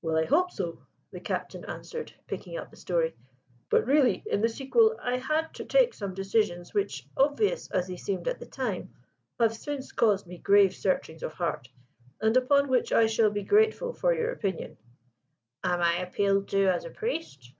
"Well, I hope so," the Captain answered, picking up the story: "but really, in the sequel, I had to take some decisions which, obvious as they seemed at the time, have since caused me grave searchings of heart, and upon which I shall be grateful for your opinion." "Am I appealed to as a priest?"